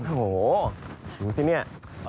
โอ้โหดูสิเนี่ย